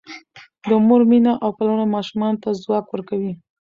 د مور مینه او پاملرنه ماشومانو ته ځواک ورکوي.